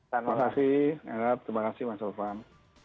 terima kasih terima kasih mas elvan